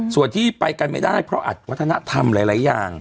ส่วนที่ไปกันไม่ได้เพราะอัดวัฒนธรรมหลายอย่าง